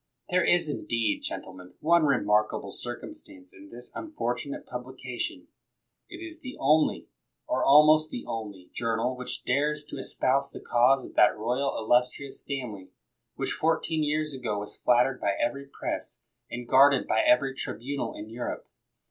There is, indeed, gentle men, one remarkable circumstance in this un fortunate publication; it is the only, or almost the only, journal which still dares to espouse 86 MACKINTOSH the cause of that royal illustrious family which but fourteen years ago was flattered by every Press and guarded by every tribunal in Europe.